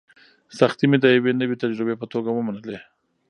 سختۍ مې د یوې نوې تجربې په توګه ومنلې.